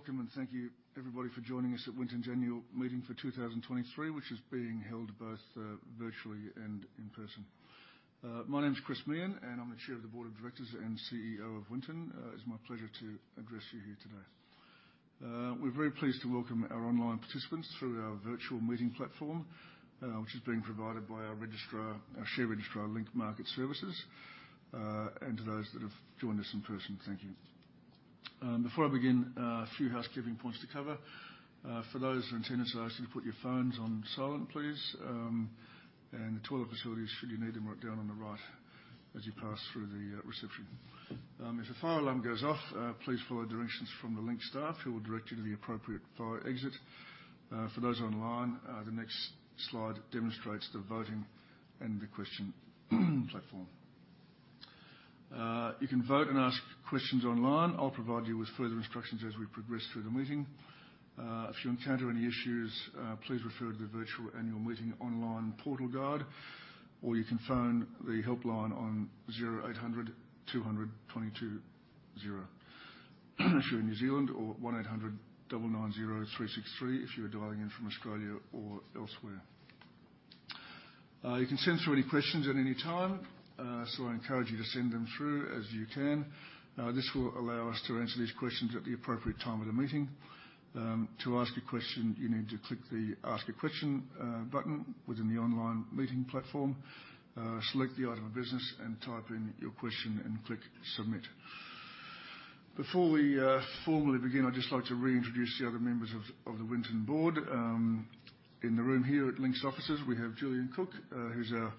Welcome and thank you everybody for joining us at Winton's annual meeting for 2023, which is being held both virtually and in person. My name is Chris Meehan, and I'm the Chair of the Board of Directors and CEO of Winton. It's my pleasure to address you here today. We're very pleased to welcome our online participants through our virtual meeting platform, which is being provided by our registrar, our share registrar, Link Market Services. To those that have joined us in person, thank you. Before I begin, a few housekeeping points to cover. For those who are attending this, I ask you to put your phones on silent, please. The toilet facilities, should you need them, are down on the right as you pass through the reception. If a fire alarm goes off, please follow directions from the Link staff who will direct you to the appropriate fire exit. For those online, the next slide demonstrates the voting and the question platform. You can vote and ask questions online. I'll provide you with further instructions as we progress through the meeting. If you encounter any issues, please refer to the virtual annual meeting online portal guide, or you can phone the helpline on 0800 202 220 if you're in New Zealand or 1-800-990-363 if you are dialing in from Australia or elsewhere. You can send through any questions at any time. I encourage you to send them through as you can. This will allow us to answer these questions at the appropriate time of the meeting. To ask a question, you need to click the Ask a Question button within the online meeting platform, select the item of business and type in your question and click Submit. Before we formally begin, I'd just like to reintroduce the other members of the Winton board. In the room here at Link's offices, we have Julian Cook, who's our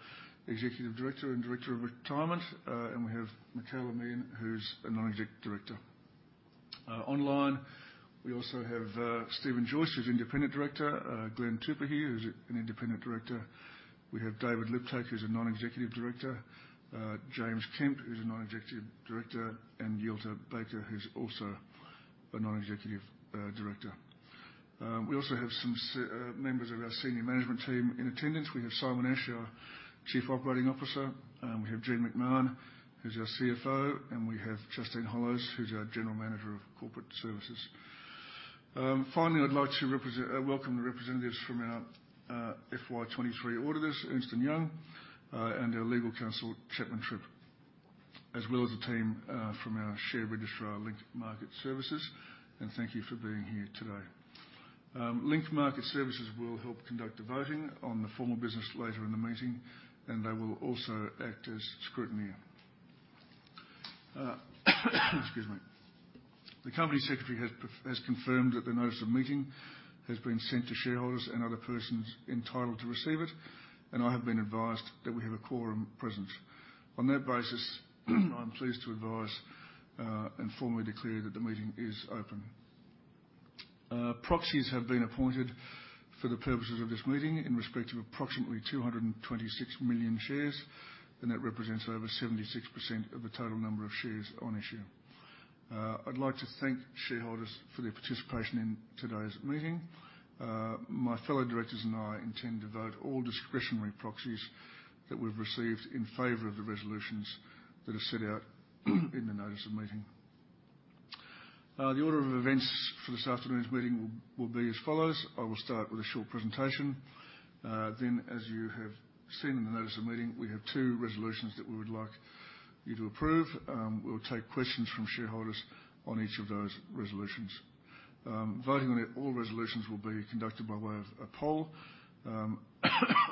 Executive Director and Director of Retirement, and we have Michaela Meehan, who's a Non-Executive Director. Online, we also have Steven Joyce, who's Independent Director, Glen Tupuhi, who's an Independent Director. We have David Liptak, who's a Non-Executive Director, James Kemp, who's a Non-Executive Director, and Jelte Bakker, who's also a Non-Executive Director. We also have some members of our senior management team in attendance. We have Simon Ash, our Chief Operating Officer. We have Jean McMahon, who's our CFO, and we have Justine Hollows, who's our General Manager of Corporate Services. Finally, I'd like to welcome the representatives from our FY23 auditors, Ernst & Young, and our legal counsel, Chapman Tripp, as well as the team from our share registrar, Link Market Services, and thank you for being here today. Link Market Services will help conduct the voting on the formal business later in the meeting, and they will also act as scrutineer. Excuse me. The company secretary has confirmed that the notice of meeting has been sent to shareholders and other persons entitled to receive it, and I have been advised that we have a quorum present. On that basis, I'm pleased to advise and formally declare that the meeting is open. Proxies have been appointed for the purposes of this meeting in respect of approximately 226 million shares. That represents over 76% of the total number of shares on issue. I'd like to thank shareholders for their participation in today's meeting. My fellow directors and I intend to vote all discretionary proxies that we've received in favor of the resolutions that are set out in the notice of meeting. The order of events for this afternoon's meeting will be as follows. I will start with a short presentation. As you have seen in the notice of meeting, we have two resolutions that we would like you to approve. We'll take questions from shareholders on each of those resolutions. Voting on all resolutions will be conducted by way of a poll.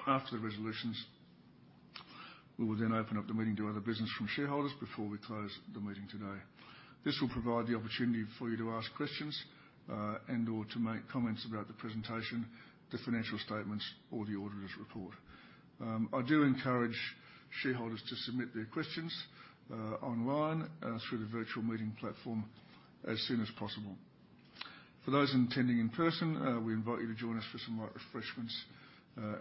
After the resolutions, we will open up the meeting to other business from shareholders before we close the meeting today. This will provide the opportunity for you to ask questions and/or to make comments about the presentation, the financial statements or the auditor's report. I do encourage shareholders to submit their questions online through the virtual meeting platform as soon as possible. For those attending in person, we invite you to join us for some light refreshments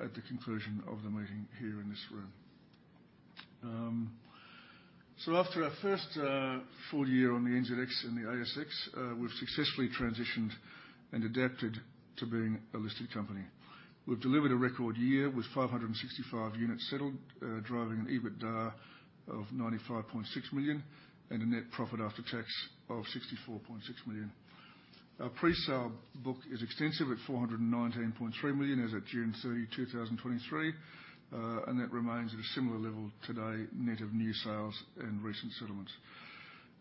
at the conclusion of the meeting here in this room. After our first full year on the NZX and the ASX, we've successfully transitioned and adapted to being a listed company. We've delivered a record year with 565 units settled, driving an EBITDA of 95.6 million and a net profit after tax of 64.6 million. Our presale book is extensive at 419.3 million as at June 30, 2023, and that remains at a similar level today net of new sales and recent settlements.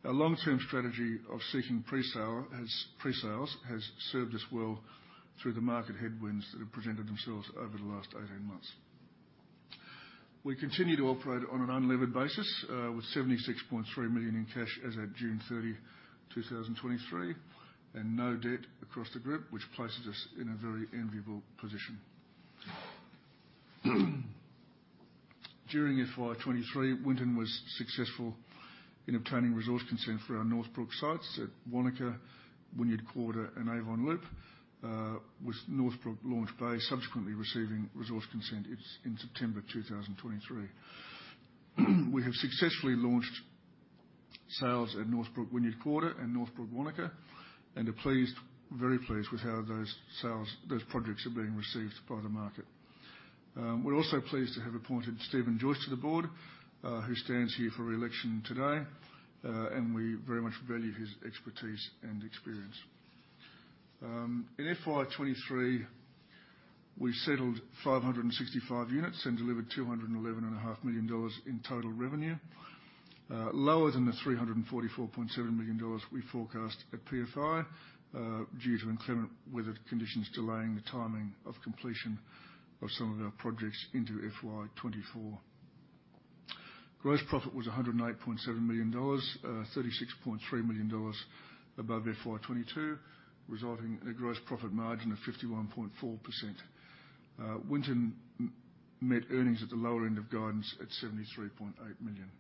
Our long-term strategy of seeking presales has served us well through the market headwinds that have presented themselves over the last 18 months. We continue to operate on an unlevered basis with 76.3 million in cash as at June 30, 2023 and no debt across the group, which places us in a very enviable position. During FY 2023, Winton was successful in obtaining resource consent for our Northbrook sites at Wānaka, Wynyard Quarter and Avon Loop, with Northbrook Launch Bay subsequently receiving resource consent in September 2023. We have successfully launched sales at Northbrook Wynyard Quarter and Northbrook Wānaka and are very pleased with how those projects are being received by the market. We're also pleased to have appointed Steven Joyce to the board, who stands here for re-election today, and we very much value his expertise and experience. In FY 2023, we settled 565 units and delivered 211.5 million dollars in total revenue, lower than the 344.7 million dollars we forecast at PFI due to inclement weather conditions delaying the timing of completion of some of our projects into FY 2024. Gross profit was 108.7 million dollars, 36.3 million dollars above FY 2022, resulting in a gross profit margin of 51.4%. Winton met earnings at the lower end of guidance at 73.8 million.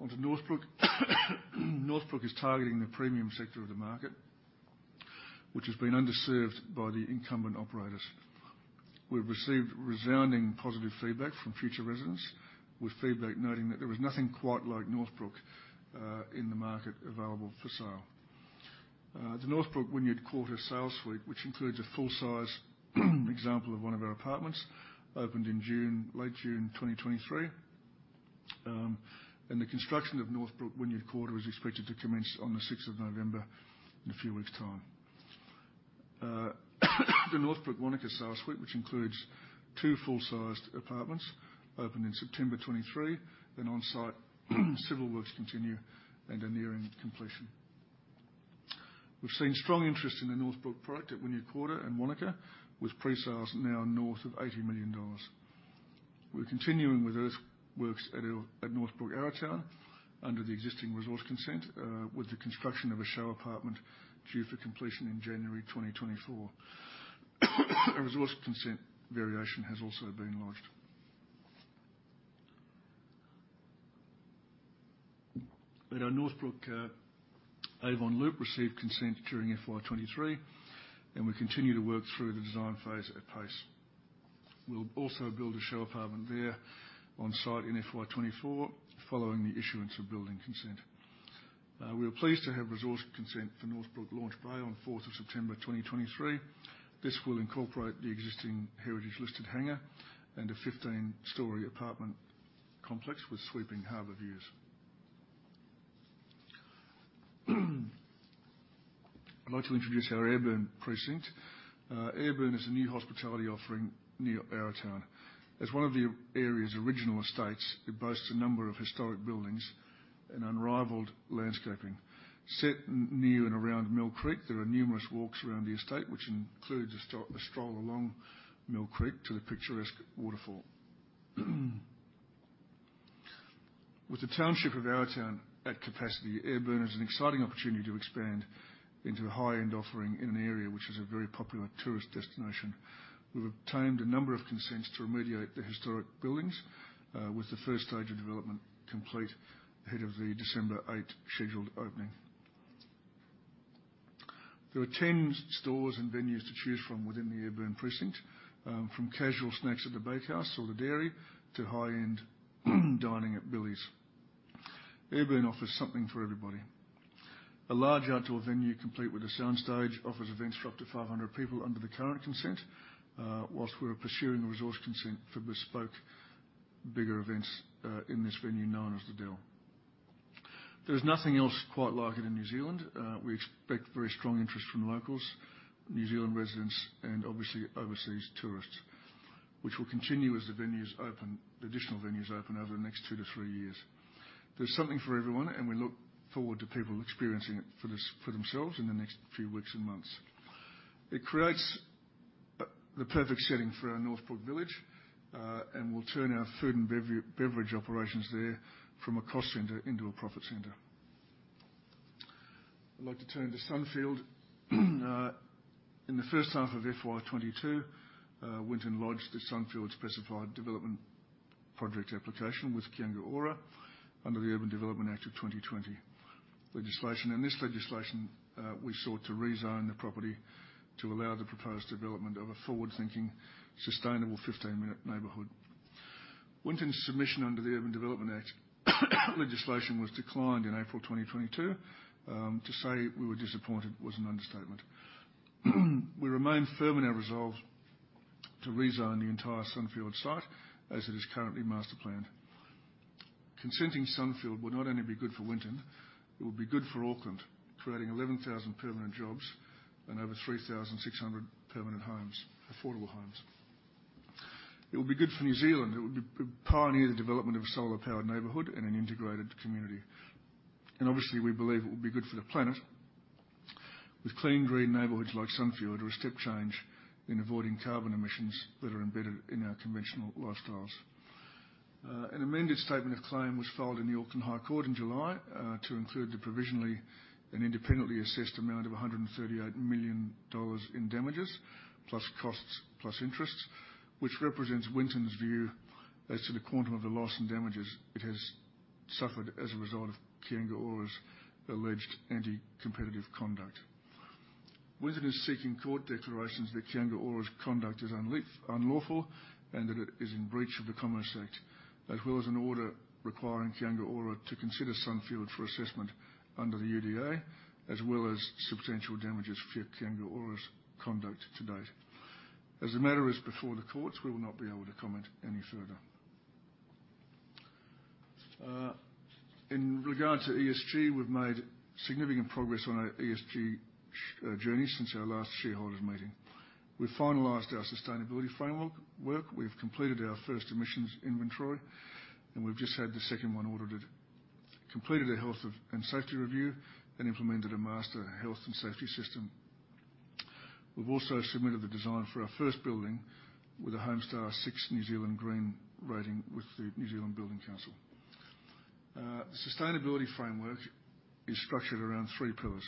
On to Northbrook. Northbrook is targeting the premium sector of the market, which has been underserved by the incumbent operators. We've received resounding positive feedback from future residents, with feedback noting that there was nothing quite like Northbrook in the market available for sale. The Northbrook Wynyard Quarter sales suite, which includes a full-size example of one of our apartments, opened in late June 2023. The construction of Northbrook Wynyard Quarter is expected to commence on the 6th of November, in a few weeks time. The Northbrook Wānaka sales suite, which includes two full-sized apartments, opened in September 2023, and on-site civil works continue and are nearing completion. We've seen strong interest in the Northbrook product at Wynyard Quarter and Wānaka, with pre-sales now north of 80 million dollars. We're continuing with earth works at Northbrook Arrowtown under the existing resource consent, with the construction of a show apartment due for completion in January 2024. A resource consent variation has also been lodged. Our Northbrook Avon Loop received consent during FY 2023, and we continue to work through the design phase at pace. We'll also build a show apartment there on-site in FY 2024, following the issuance of building consent. We were pleased to have resource consent for Northbrook Launch Bay on 4th of September 2023. This will incorporate the existing heritage listed hangar and a 15-story apartment complex with sweeping harbor views. I'd like to introduce our Ayrburn precinct. Ayrburn is a new hospitality offering near Arrowtown. As one of the area's original estates, it boasts a number of historic buildings and unrivaled landscaping. Set near and around Mill Creek, there are numerous walks around the estate, which includes a stroll along Mill Creek to the picturesque waterfall. With the township of Arrowtown at capacity, Ayrburn is an exciting opportunity to expand into a high-end offering in an area which is a very popular tourist destination. We've obtained a number of consents to remediate the historic buildings, with the 1st stage of development complete ahead of the December 8 scheduled opening. There are 10 stores and venues to choose from within the Ayrburn precinct, from casual snacks at The Bakehouse or The Dairy to high-end dining at Billy's. Ayrburn offers something for everybody. A large outdoor venue complete with a sound stage offers events for up to 500 people under the current consent, whilst we're pursuing a resource consent for bespoke bigger events in this venue known as The Dell. There's nothing else quite like it in New Zealand. We expect very strong interest from locals, New Zealand residents, and obviously overseas tourists, which will continue as the additional venues open over the next two to three years. There's something for everyone, and we look forward to people experiencing it for themselves in the next few weeks and months. It creates the perfect setting for our Northbrook Village, and will turn our food and beverage operations there from a cost center into a profit center. I'd like to turn to Sunfield. In the first half of FY 2022, Winton lodged the Sunfield Specified Development Project application with Kāinga Ora under the Urban Development Act 2020 legislation. In this legislation, we sought to rezone the property to allow the proposed development of a forward-thinking, sustainable 15-minute neighborhood. Winton's submission under the Urban Development Act legislation was declined in April 2022. To say we were disappointed was an understatement. We remain firm in our resolve to rezone the entire Sunfield site as it is currently master planned. Consenting Sunfield would not only be good for Winton, it would be good for Auckland, creating 11,000 permanent jobs and over 3,600 permanent affordable homes. It would be good for New Zealand. It would pioneer the development of a solar-powered neighborhood and an integrated community. Obviously, we believe it would be good for the planet, with clean, green neighborhoods like Sunfield are a step change in avoiding carbon emissions that are embedded in our conventional lifestyles. An amended statement of claim was filed in the Auckland High Court in July to include the provisionally and independently assessed amount of 138 million dollars in damages, plus costs, plus interests, which represents Winton's view as to the quantum of the loss and damages it has suffered as a result of Kāinga Ora's alleged anti-competitive conduct. Winton is seeking court declarations that Kāinga Ora's conduct is unlawful and that it is in breach of the Commerce Act, as well as an order requiring Kāinga Ora to consider Sunfield for assessment under the UDA, as well as substantial damages for Kāinga Ora's conduct to date. As the matter is before the courts, we will not be able to comment any further. In regard to ESG, we've made significant progress on our ESG journey since our last shareholders meeting. We finalized our sustainability framework. We've completed our first emissions inventory, and we've just had the second one audited. We've completed a health and safety review and implemented a master health and safety system. We've also submitted the design for our first building with a Homestar 6 New Zealand Green rating with the New Zealand Green Building Council. The sustainability framework is structured around three pillars.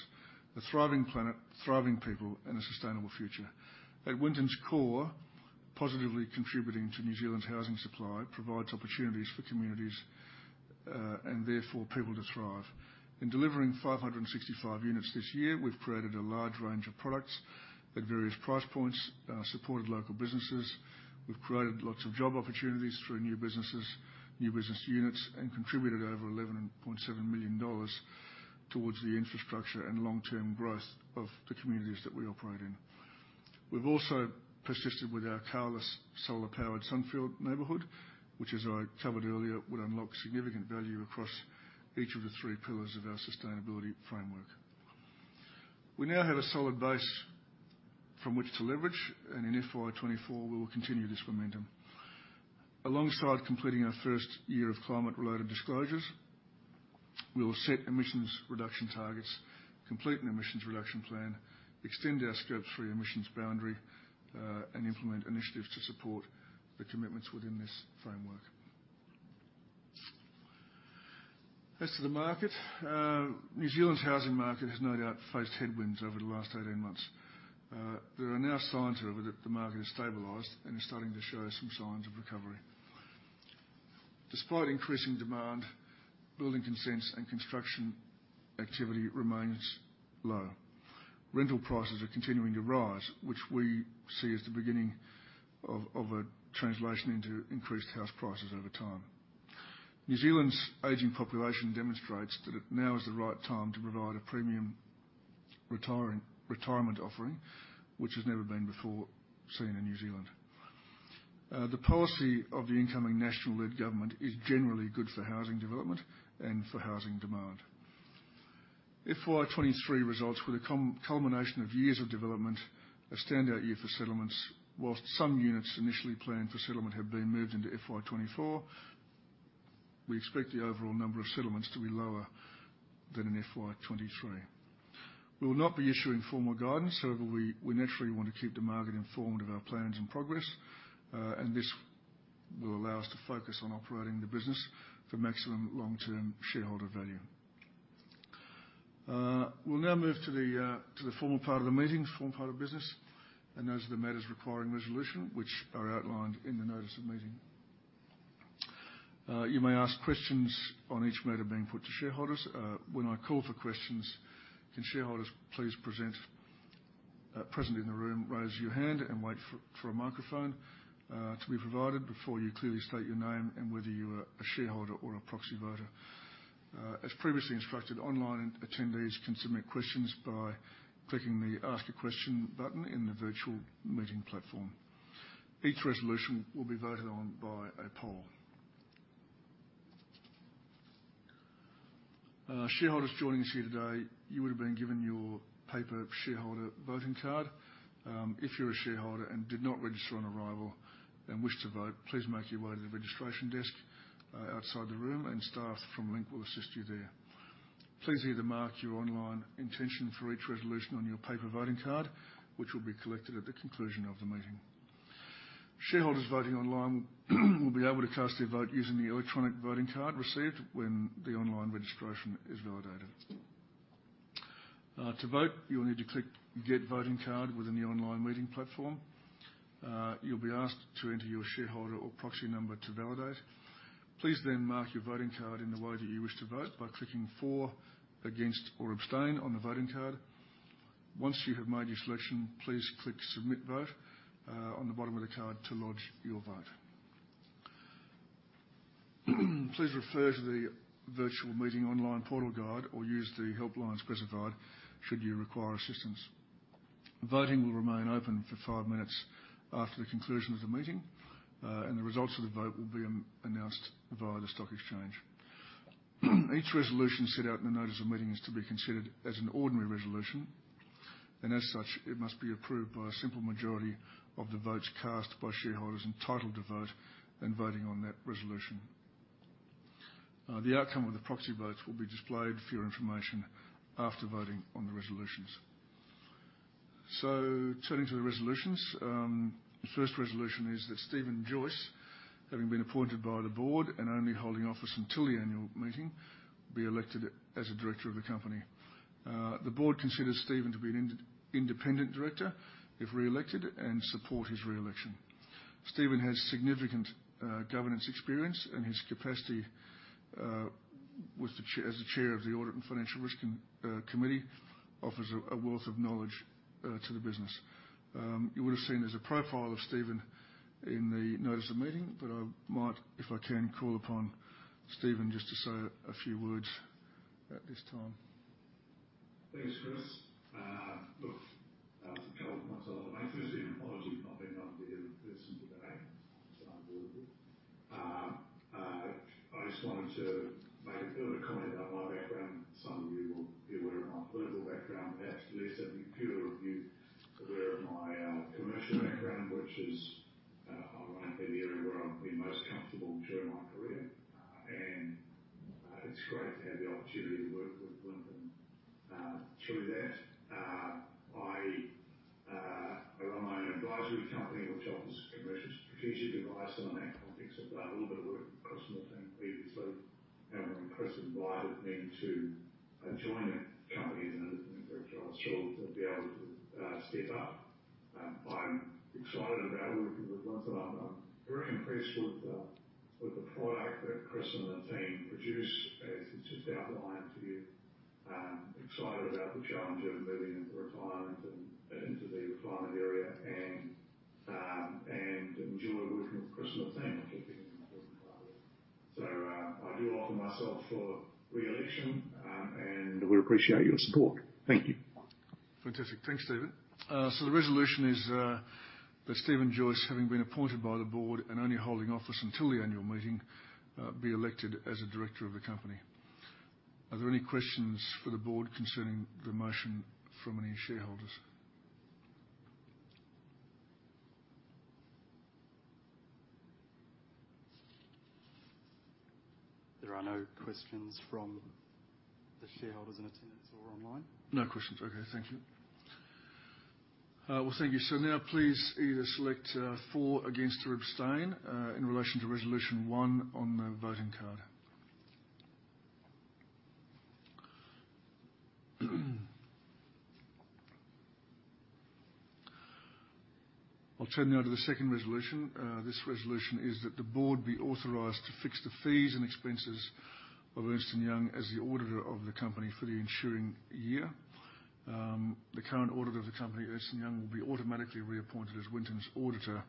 A thriving planet, thriving people, and a sustainable future. At Winton's core, positively contributing to New Zealand's housing supply provides opportunities for communities, and therefore people to thrive. In delivering 565 units this year, we've created a large range of products at various price points, supported local businesses. We've created lots of job opportunities through new business units, and contributed over 11.7 million dollars towards the infrastructure and long-term growth of the communities that we operate in. We've also persisted with our carless solar-powered Sunfield neighborhood, which as I covered earlier, would unlock significant value across each of the three pillars of our sustainability framework. We now have a solid base from which to leverage, and in FY 2024 we will continue this momentum. Alongside completing our first year of climate-related disclosures, we will set emissions reduction targets, complete an emissions reduction plan, extend our Scope 3 emissions boundary, and implement initiatives to support the commitments within this framework. As to the market, New Zealand's housing market has no doubt faced headwinds over the last 18 months. There are now signs that the market has stabilized and is starting to show some signs of recovery. Despite increasing demand, building consents and construction activity remains low. Rental prices are continuing to rise, which we see as the beginning of a translation into increased house prices over time. New Zealand's aging population demonstrates that now is the right time to provide a premium retirement offering, which has never been before seen in New Zealand. The policy of the incoming National-led government is generally good for housing development and for housing demand. FY 2023 results were the culmination of years of development, a standout year for settlements. Whilst some units initially planned for settlement have been moved into FY 2024, we expect the overall number of settlements to be lower than in FY 2023. We will not be issuing formal guidance, however we naturally want to keep the market informed of our plans and progress. This will allow us to focus on operating the business for maximum long-term shareholder value. We'll now move to the formal part of the meeting, the formal part of business, and those are the matters requiring resolution, which are outlined in the notice of meeting. You may ask questions on each matter being put to shareholders. When I call for questions, can shareholders please present in the room, raise your hand, and wait for a microphone to be provided before you clearly state your name and whether you are a shareholder or a proxy voter. As previously instructed, online attendees can submit questions by clicking the Ask a Question button in the virtual meeting platform. Each resolution will be voted on by a poll. Shareholders joining us here today, you would have been given your paper shareholder voting card. If you're a shareholder and did not register on arrival and wish to vote, please make your way to the registration desk outside the room and staff from Link will assist you there. Please either mark your online intention for each resolution on your paper voting card, which will be collected at the conclusion of the meeting. Shareholders voting online will be able to cast their vote using the electronic voting card received when the online registration is validated. To vote, you will need to click Get Voting Card within the online meeting platform. You will be asked to enter your shareholder or proxy number to validate. Please then mark your voting card in the way that you wish to vote by clicking For, Against, or Abstain on the voting card. Once you have made your selection, please click Submit Vote on the bottom of the card to lodge your vote. Please refer to the virtual meeting online portal guide or use the help lines specified should you require assistance. Voting will remain open for five minutes after the conclusion of the meeting, and the results of the vote will be announced via the stock exchange. Each resolution set out in the notice of meeting is to be considered as an ordinary resolution, and as such, it must be approved by a simple majority of the votes cast by shareholders entitled to vote and voting on that resolution. The outcome of the proxy votes will be displayed for your information after voting on the resolutions. Turning to the resolutions. The first resolution is that Steven Joyce having been appointed by the board and only holding office until the annual meeting, be elected as a director of the company. The board considers Steven to be an independent director, if reelected, and support his reelection. Steven has significant governance experience and his capacity as the Chair of the Audit and Financial Risk Committee offers a wealth of knowledge to the business. You would've seen there's a profile of Steven in the notice of meeting, I might, if I can, call upon Steven just to say a few words at this time. Thanks, Chris. Look, for a couple of months, I'd like to first apologize for not being able to be here in person today. It's unavoidable. I just wanted to make a bit of a comment about my background. Some of you will be aware of my political background, perhaps less of you, fewer of you aware of my commercial background, which is, I think, the area where I've been most comfortable during my career. It's great to have the opportunity to work with Winton through that. I run my own advisory company, which offers commercial strategic advice, and in that context, I've done a little bit of work with Chris and the team previously. When Chris invited me to join the company as an independent director, I was thrilled to be able to step up. I'm excited about working with Winton. I'm very impressed with the product that Chris and the team produce, as he's just outlined to you. I'm excited about the challenge of moving into retirement and into the retirement area and enjoy working with Chris and the team. I do offer myself for reelection, and would appreciate your support. Thank you. Fantastic. Thanks, Steven. The resolution is that Steven Joyce, having been appointed by the Board and only holding office until the annual meeting, be elected as a director of the company. Are there any questions for the Board concerning the motion from any shareholders? There are no questions from the shareholders in attendance or online. No questions. Okay. Thank you. Well, thank you. Now please either select for, against, or abstain, in relation to resolution one on the voting card. I'll turn now to the second resolution. This resolution is that the board be authorized to fix the fees and expenses of Ernst & Young as the auditor of the company for the ensuing year. The current auditor of the company, Ernst & Young, will be automatically reappointed as Winton's auditor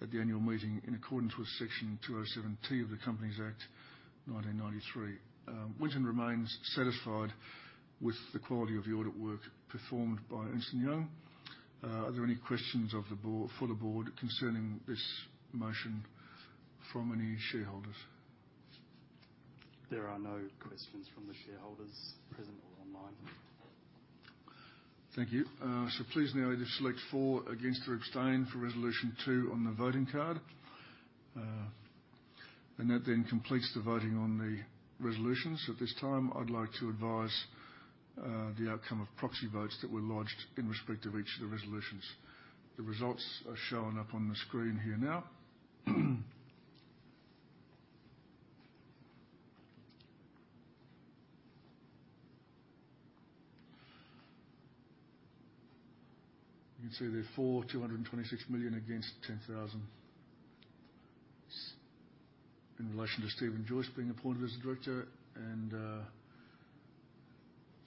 at the annual meeting in accordance with Section 207T of the Companies Act 1993. Winton remains satisfied with the quality of the audit work performed by Ernst & Young. Are there any questions for the board concerning this motion from any shareholders? There are no questions from the shareholders present or online. Thank you. Please now either select for, against, or abstain for resolution 2 on the voting card. That completes the voting on the resolutions. At this time, I'd like to advise the outcome of proxy votes that were lodged in respect of each of the resolutions. The results are showing up on the screen here now. You can see there's for, 226 million, against, 10,000. In relation to Steven Joyce being appointed as a director and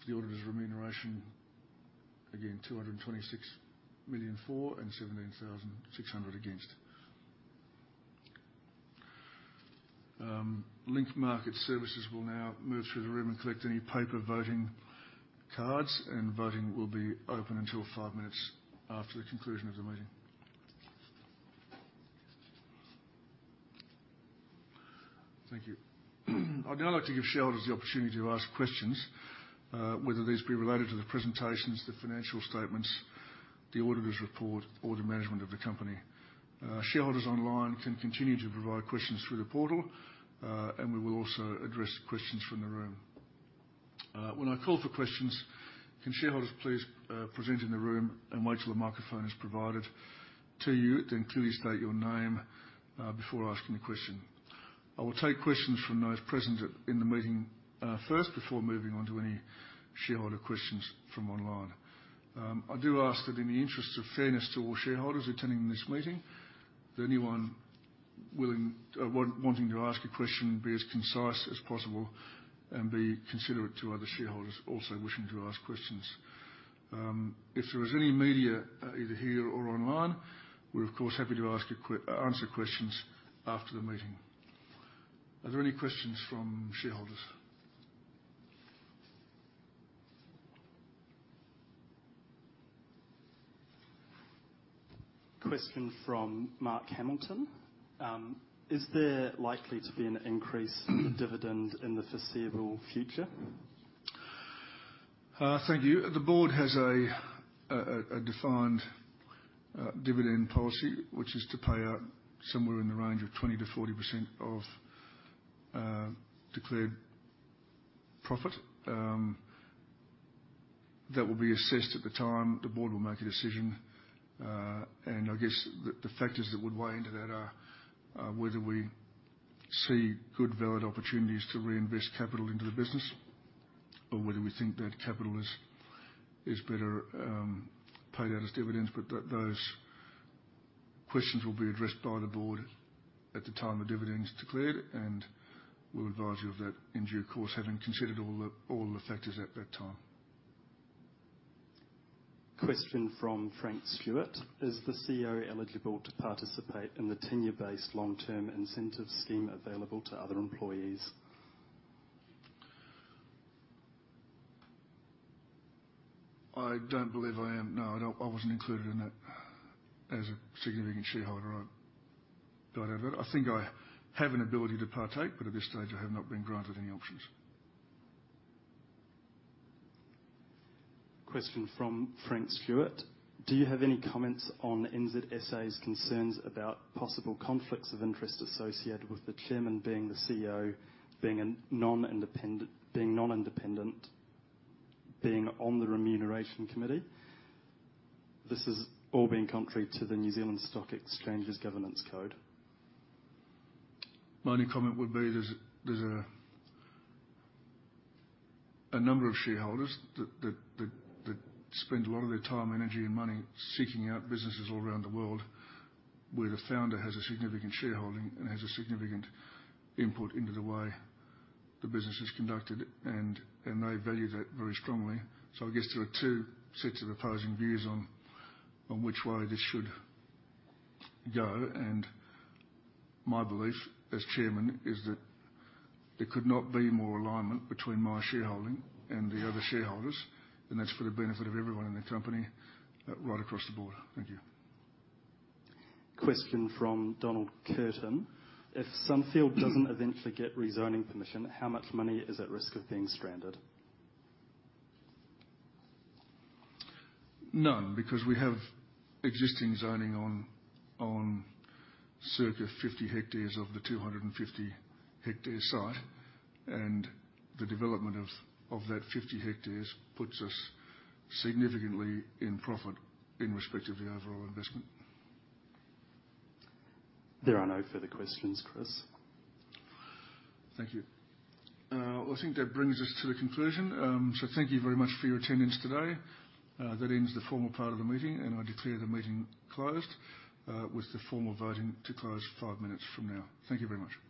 the auditor's remuneration, again, 226 million for and 17,600 against. Link Market Services will now move through the room and collect any paper voting cards, and voting will be open until five minutes after the conclusion of the meeting. Thank you. I'd now like to give shareholders the opportunity to ask questions, whether these be related to the presentations, the financial statements, the auditor's report or the management of the company. Shareholders online can continue to provide questions through the portal, and we will also address questions from the room. When I call for questions, can shareholders please present in the room and wait till a microphone is provided to you, then clearly state your name before asking a question. I will take questions from those present in the meeting first before moving on to any shareholder questions from online. I do ask that in the interest of fairness to all shareholders attending this meeting, that anyone wanting to ask a question, be as concise as possible and be considerate to other shareholders also wishing to ask questions. If there is any media, either here or online, we're of course happy to answer questions after the meeting. Are there any questions from shareholders? Question from Mark Hamilton. Is there likely to be an increased dividend in the foreseeable future? Thank you. The board has a defined dividend policy, which is to pay out somewhere in the range of 20%-40% of declared profit. That will be assessed at the time. The board will make a decision. I guess the factors that would weigh into that are whether we see good, valid opportunities to reinvest capital into the business, or whether we think that capital is better paid out as dividends. Those questions will be addressed by the board at the time a dividend's declared, and we'll advise you of that in due course, having considered all the factors at that time. Question from Frank Stewart. Is the CEO eligible to participate in the tenure-based long-term incentive scheme available to other employees? I don't believe I am. No, I wasn't included in that as a significant shareholder. I think I have an ability to partake, but at this stage, I have not been granted any options. Question from Frank Stewart. Do you have any comments on NZSA's concerns about possible conflicts of interest associated with the chairman being the CEO, being non-independent, being on the remuneration committee? This is all being contrary to the New Zealand Stock Exchange's governance code. My only comment would be, there's a number of shareholders that spend a lot of their time, energy, and money seeking out businesses all around the world, where the founder has a significant shareholding and has a significant input into the way the business is conducted. They value that very strongly. I guess there are two sets of opposing views on which way this should go. My belief as Chairman is that there could not be more alignment between my shareholding and the other shareholders, and that's for the benefit of everyone in the company right across the board. Thank you. Question from Donald Kirton. If Sunfield doesn't eventually get rezoning permission, how much money is at risk of being stranded? None, because we have existing zoning on circa 50 hectares of the 250 hectare site. The development of that 50 hectares puts us significantly in profit in respect of the overall investment. There are no further questions, Chris. Thank you. I think that brings us to the conclusion. Thank you very much for your attendance today. That ends the formal part of the meeting, and I declare the meeting closed, with the formal voting to close five minutes from now. Thank you very much.